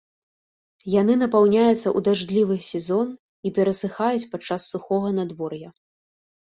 Яны напаўняюцца ў дажджлівы сезон і перасыхаюць падчас сухога надвор'я.